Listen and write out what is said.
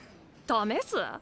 試す？